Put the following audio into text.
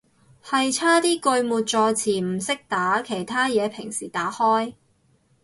係差啲句末助詞唔識打，其他嘢平時打開